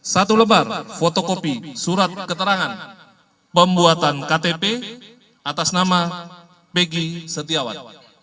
satu lebar fotokopi surat keterangan pembuatan ktp atas nama begi setiawan